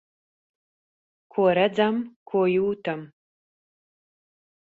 Ko redzam, ko jūtam.